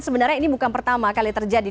sebenarnya ini bukan pertama kali terjadi